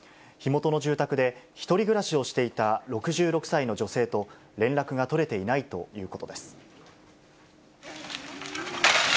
火元の住宅で、１人暮らしをしていた６６歳の女性と連絡が取れていないということです。